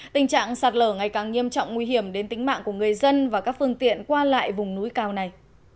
tình trạng sạt lở ngày càng nghiêm trọng nguy hiểm đến tính mạng của người dân và các phương tiện qua lại vùng núi cao này